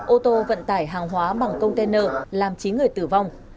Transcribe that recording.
ô tô vận tải hàng hóa bằng container làm chín người tử vong